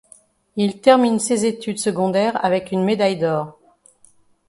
Il termine ses études secondaires avec une médaille d'or.